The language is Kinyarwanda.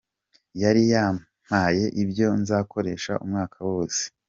Yari yampaye ibyo nzakoresha umwaka wose.